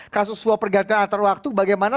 kasus suapergantian antar waktu bagaimana